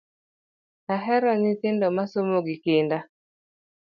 Ahero nyithindo masomo gi kinda